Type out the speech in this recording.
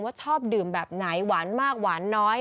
ชอบดื่มแบบไหนหวานมากหวานน้อย